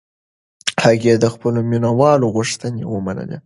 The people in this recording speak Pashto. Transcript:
هغې د خپلو مینهوالو غوښتنې ومنلې.